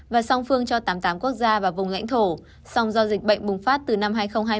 và song phương cho tám mươi tám quốc gia và vùng lãnh thổ song do dịch bệnh bùng phát từ năm hai nghìn hai mươi